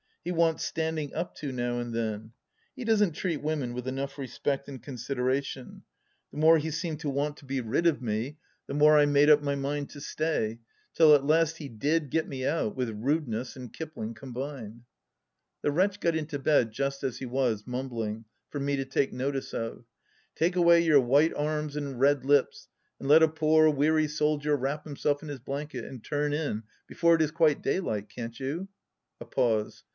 He wants standing up to now and then. He doesn't treat women with enough respect and consideration^ The more he seemed to want to be rid 140 THE LAST DITCH of me, the more I made up my mind to stay, till at last he did get me out — ^with rudeness and Kipling combined I The wretch got into bed just as he was, mumbling, for me to take notice of :" Take away your white arms and red lips, and let a poor weary soldier wrap himself in his blanket and turn in before it is quite daylight, can't you ?"... A pause.